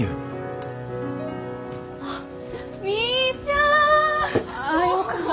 あっみーちゃん！